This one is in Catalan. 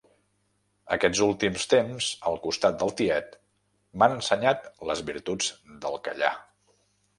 Aquests últims temps al costat del tiet m'han ensenyat les virtuts del callar.